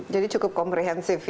jadi cukup komprehensif ya